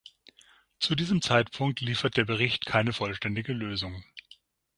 Zu diesem Zeitpunkt liefert der Bericht keine vollständige Lösung.